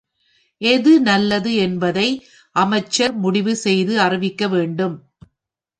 எது நல்லது என்பதை அமைச்சர் முடிவு செய்து அறிவிக்க வேண்டும்.